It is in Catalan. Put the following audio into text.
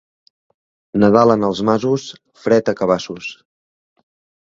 Nadal en els masos, fred a cabassos.